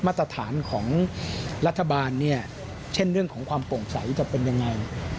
มาตรฐานของรัฐบาลเนี่ยเช่นเรื่องของความโปร่งใสจะเป็นยังไง